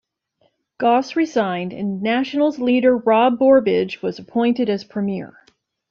Goss resigned, and Nationals leader Rob Borbidge was appointed as Premier.